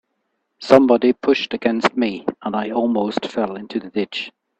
Somebody pushed against me, and I almost fell into the ditch.